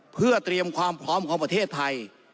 เพื่อเตรียมความพร้อมของประเทศไทย